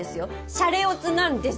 シャレオツなんです！